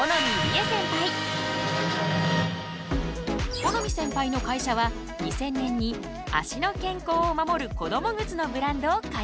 許斐センパイの会社は２０００年に足の健康を守る子ども靴のブランドを開発。